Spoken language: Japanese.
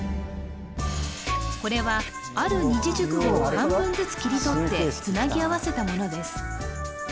これはある二字熟語を半分ずつ切り取ってつなぎ合わせたものです